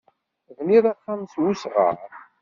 Tebniḍ axxam s wesɣar.